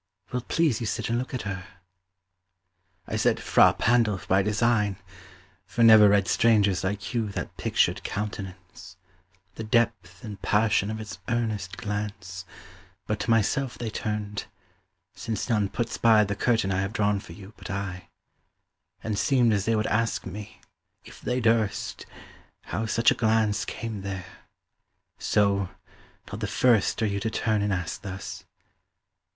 Will't please you sit and look at her? I said "Fra Pandolf" by design, for never read Strangers like you that pictured countenance, The depth and passion of its earnest glance, But to myself they turned (since none puts by the curtain I have drawn for you, but I) 10 And seemed as they would ask me, if they durst, How such a glance came there; so, not the first Are you to turn and ask thus.